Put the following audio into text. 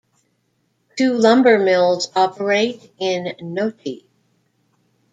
Two lumber mills operate in Noti.